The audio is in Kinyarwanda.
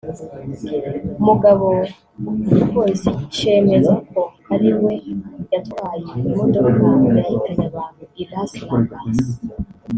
umugabo igipolisi cemeza ko ariwe yatwaye imodoka yahitanye abantu i Las Rambas